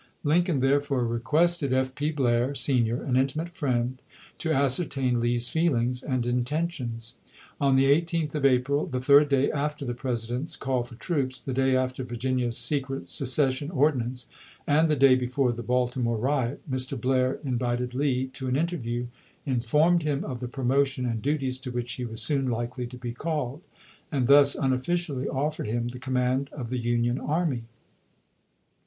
Lincoln therefore requested F. P. Blair, senior, an intimate friend, to ascertain Lee's feel ings and intentions. On the 18th of April, the third day after the President's call for troops, the day after Virginia's secret secession ordinance, and the day before the Baltimore riot, Mr. Blair in vited Lee to an interview, informed him of the promotion and duties to which he was soon likely to be called, and thus unofficially offered him the command of the Union army.